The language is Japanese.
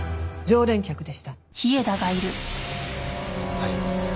はい。